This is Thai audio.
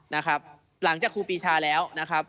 นะครับหลังจากครูปีชาแล้วนะครับ